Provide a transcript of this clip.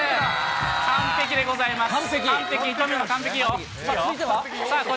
完璧でございます。